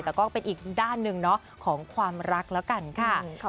แต่ก็เป็นอีกด้านหนึ่งเนาะของความรักแล้วกันค่ะ